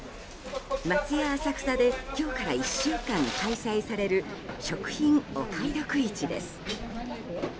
松屋浅草で今日から１週間開催される食品お買い得市です。